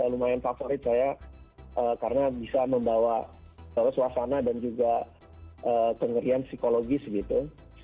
lumayan favorit saya karena bisa membawa suasana dan juga kengerian psikologis gitu